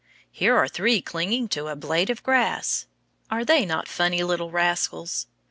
Here are three clinging to a blade of grass. Are they not funny little rascals!